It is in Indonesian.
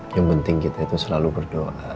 yang penting kita itu selalu berdoa